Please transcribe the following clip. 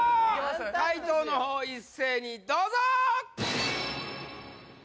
解答のほう一斉にどうぞ！